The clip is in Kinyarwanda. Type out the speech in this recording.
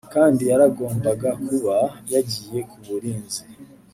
kandi yaragombaga kuba yagiye ku burinzi